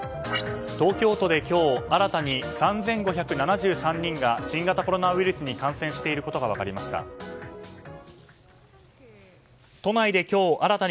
東京都で今日新たに３５７３人が新型コロナウイルスに感染していることが分かりました。